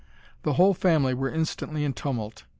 The whole family were instantly in tumult.